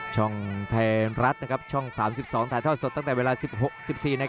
ช่องไทยรัฐช่อง๓๒ถ่ายทอดสดตั้งแต่เวลา๑๖๑๔